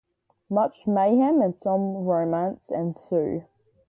Much mayhem, and some romance, ensue.